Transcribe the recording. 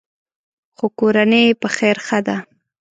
خو کورنۍ یې په خیر ښه ده.